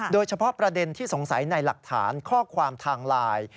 โดยเฉพาะประเด็นที่สงสัยในหลักฐานข้อความทางไลน์